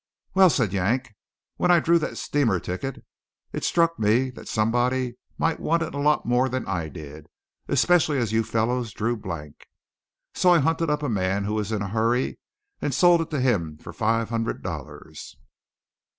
"Well," said Yank, "when I drew that steamer ticket, it struck me that somebody might want it a lot more than I did, especially as you fellows drew blank. So I hunted up a man who was in a hurry, and sold it to him for five hundred dollars.